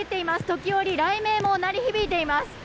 時折、雷鳴も鳴り響いています。